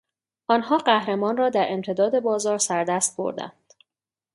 آنها قهرمان را در امتداد بازار سردست بردند.